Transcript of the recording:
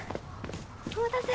お待たせ。